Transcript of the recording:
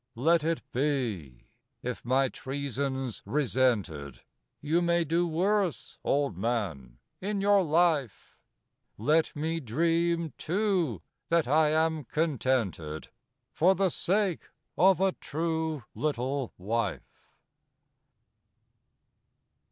Let it be. If my 'treason's' resented, You may do worse, old man, in your life; Let me dream, too, that I am contented For the sake of a true little wife.